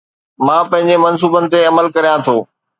مان پنهنجي منصوبن تي عمل ڪريان ٿو